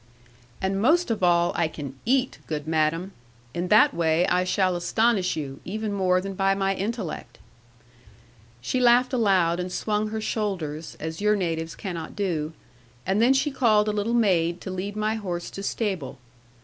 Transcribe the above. '"And most of all, I can eat, good madam. In that way I shall astonish you; even more than by my intellect." 'She laughed aloud, and swung her shoulders, as your natives cannot do; and then she called a little maid to lead my horse to stable.